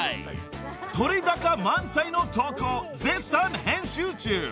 ［撮れ高満載のトークを絶賛編集中］